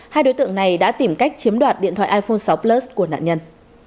hai đối tượng này đã tìm cách chiếm đoạt điện thoại iphone sáu plus của nạn nhân